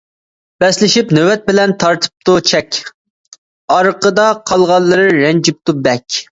بەسلىشىپ نۆۋەت بىلەن تارتىپتۇ چەك، ئارقىدا قالغانلىرى رەنجىپتۇ بەك.